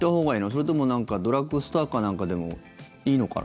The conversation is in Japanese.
それともドラッグストアかなんかでもいいのかな。